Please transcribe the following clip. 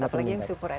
apalagi yang super red